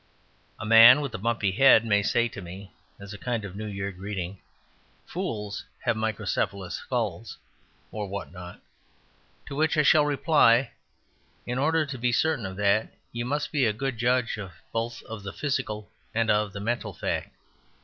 A man with a bumpy head may say to me (as a kind of New Year greeting), "Fools have microcephalous skulls," or what not. To which I shall reply, "In order to be certain of that, you must be a good judge both of the physical and of the mental fact.